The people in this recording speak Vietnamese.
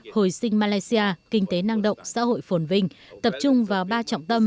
hồi sinh malaysia kinh tế năng động xã hội phồn vinh tập trung vào ba trọng tâm